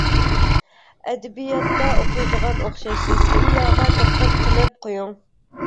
ئەدەبىياتتا ئوقۇيدىغان ئوخشايسىز، ئىملاغا دىققەت قىلىپ قويۇڭ.